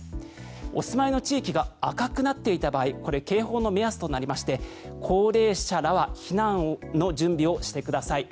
お住まいの地域が赤くなっていた場合これ、警報の目安となりまして高齢者らは避難の準備をしてください。